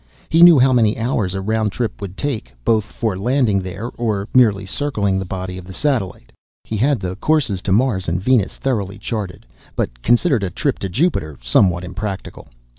He knew how many hours a round trip would take, both for landing there or merely circling the body of the satellite. He had the courses to Mars and Venus thoroughly charted but considered a trip to Jupiter somewhat impractical.